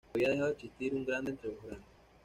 Había dejado de existir un grande entre los grandes.